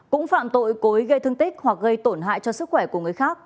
cũng phạm tội cối gây thương tích hoặc gây tổn hại cho sức khỏe của người khác